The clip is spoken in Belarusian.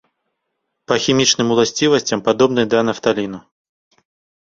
Па хімічным уласцівасцям падобны да нафталіну.